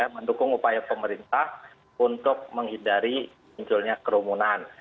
mendukung upaya pemerintah untuk menghindari munculnya kerumunan